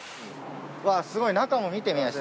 うわすごい中も見て宮下。